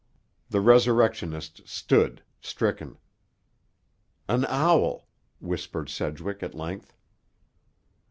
The resurrectionists stood, stricken. "An owl," whispered Sedgwick at length.